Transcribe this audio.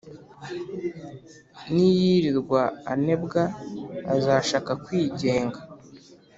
niyirirwa anebwa, azashaka kwigenga.